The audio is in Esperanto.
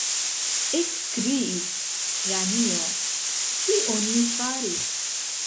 ekkriis Pranjo: kion mi faris?